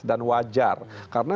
dan wajar karena